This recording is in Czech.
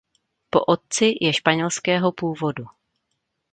Po otci je španělského původu.